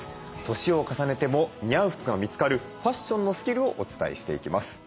年を重ねても似合う服が見つかるファッションのスキルをお伝えしていきます。